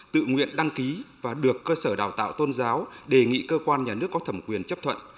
tự nguyện đăng ký và được cơ sở đào tạo tôn giáo đề nghị cơ quan nhà nước có thẩm quyền chấp thuận